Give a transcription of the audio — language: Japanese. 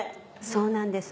そうなんです。